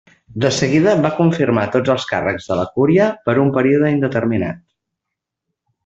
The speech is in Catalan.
De seguida va confirmar tots els càrrecs de la cúria per un període indeterminat.